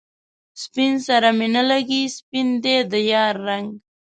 سپين سره می نه لګي، سپین دی د ریا رنګ